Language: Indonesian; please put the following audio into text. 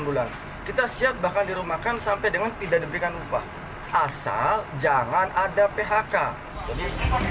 enam bulan kita siap bahkan dirumahkan sampai dengan tidak diberikan upah asal jangan ada phk jadi